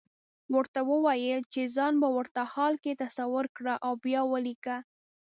ورته وويل چې ځان په ورته حال کې تصور کړه او بيا وليکه.